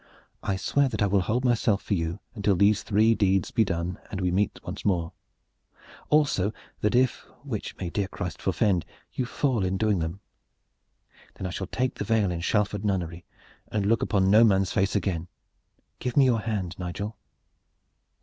I swear that I will hold myself for you until these three deeds be done and we meet once more; also that if which may dear Christ forfend! you fall in doing them then I shall take the veil in Shalford nunnery and look upon no man's face again! Give me your hand, Nigel."